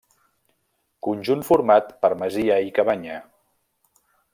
Conjunt format per masia i cabanya.